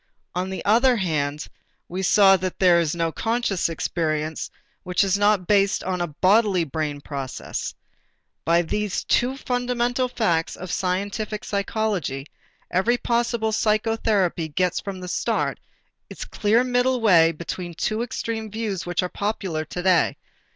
On the other hand, we saw that there is no conscious experience which is not based on a bodily brain process. By these two fundamental facts of scientific psychology, every possible psychotherapy gets from the start its clear middle way between two extreme views which are popular today.